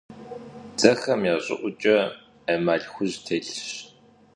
Дзэхэм я щӀыӀукӀэ эмаль хужь телъщ.